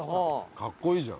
かっこいいじゃん。